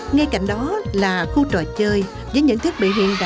ngay cạnh đó là khu trò chơi với những thiết bị hiệu quả